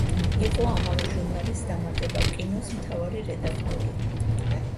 იყო ამავე ჟურნალის დამატება „კინოს“ მთავარი რედაქტორი.